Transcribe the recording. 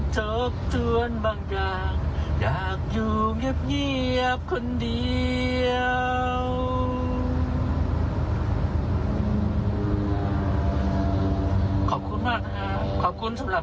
ขอบคุณทุกกำลังใจนะครับ